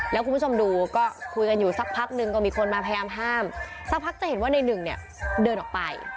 แล้วคุณผู้ชมดูก็คุยกันอยู่สักพักนึงก็มีคนมาพยายามห้ามสักพักจะเห็นว่าในหนึ่งเนี่ยเดินออกไป